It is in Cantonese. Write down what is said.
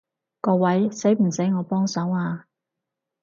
各位，使唔使我幫手啊？